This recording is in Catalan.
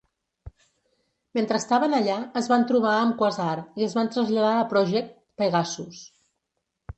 Mentre estaven allà, es van trobar amb Quasar i es van traslladar a Project: Pegasus.